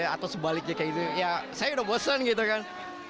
atau sebaliknya kayak gitu ya saya udah bosan gitu kan